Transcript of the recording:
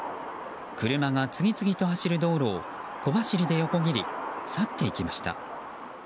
車が次々と走る道路を小走りで横切り去っていきました。